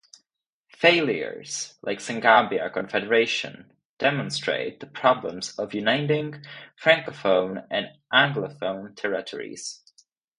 Failures like Senegambia Confederation demonstrate the problems of uniting Francophone and Anglophone territories.